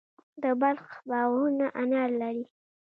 د بلخ باغونه انار لري.